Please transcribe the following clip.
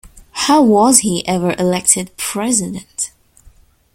How was he ever elected President?